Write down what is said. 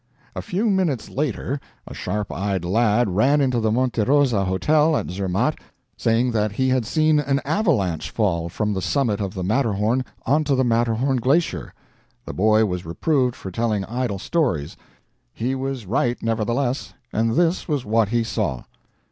A few minutes later, a sharp eyed lad ran into the Monte Rosa Hotel, at Zermatt, saying that he had seen an avalanche fall from the summit of the Matterhorn onto the Matterhorn glacier. The boy was reproved for telling idle stories; he was right, nevertheless, and this was what he saw.